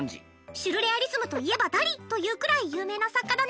シュルレアリスムと言えばダリというくらい有名な作家だね。